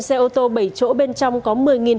xe ô tô bảy chỗ bên trong có một mươi hai trăm linh